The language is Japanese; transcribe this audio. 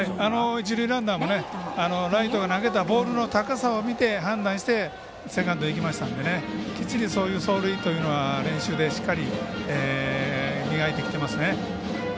一塁ランナーもライトが投げたボールの高さを見て判断してセカンドへ行きましたんできっちりそういう走塁というのは練習でしっかり磨いてきてますね。